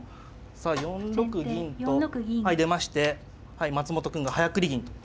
さあ４六銀とはい出まして松本くんが早繰り銀と。